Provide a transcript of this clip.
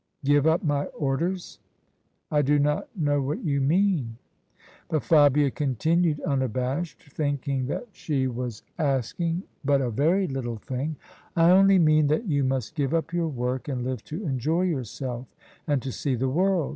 Give up my Orders? I do not know what you mean." But Fabia continued unabashed, thinking that she was OF ISABEL CARNABY adung but a very little thing. " I only mean that you must give up your work, and live to enjoy yourself and to sec the world.